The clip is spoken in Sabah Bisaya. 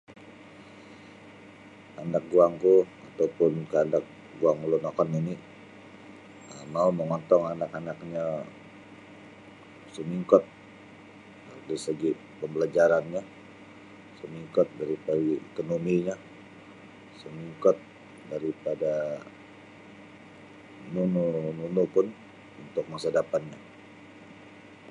Kandak guangku atau pun kaandak guang ulun wokon nini' um mau' mongontong anak-anaknyo sumingkot dari segi' pembalajarannyo sumingkot dari segi' ekonominyo sumingkot daripada nunu-nunu pun untuk masa dapannyo.